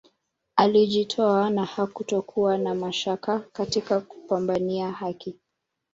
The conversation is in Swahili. Alijitoa na hakutokuwa na mashaka katika kupambania haki